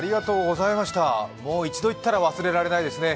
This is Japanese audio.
一度行ったら忘れられないですね。